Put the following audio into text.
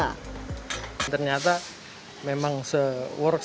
diminati khususnya jepang dan indonesia diminati khususnya jepang dan indonesia diminati khususnya